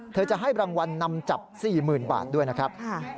จะให้รางวัลนำจับ๔๐๐๐บาทด้วยนะครับ